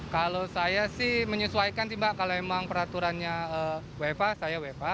kalau saya sih menyesuaikan sih mbak kalau emang peraturannya wfa saya wfa